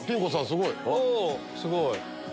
すごい！